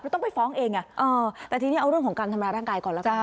เพราะต้องไปฟ้องเองแต่ทีนี้เอาเรื่องของการทำลายร่างกายก่อน